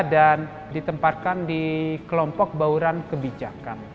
dan ditempatkan di kelompok bauran kebijakan